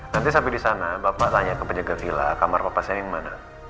nanti sampai disana bapak tanya ke penjaga villa kamar papa saya yang mana